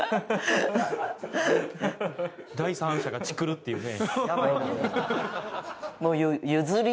「第三者がチクるっていうね」